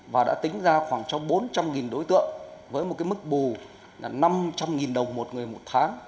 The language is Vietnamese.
và đã tính ra khoảng trong bốn trăm linh đối tượng với một mức bù là năm trăm linh đồng một người một tháng